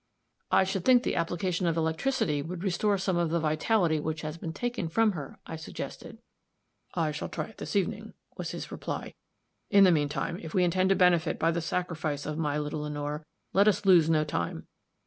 "I should think the application of electricity would restore some of the vitality which has been taken from her," I suggested. "I shall try it this evening," was his reply; "in the mean time, if we intend to benefit by the sacrifice of my little Lenore, let us lose no time.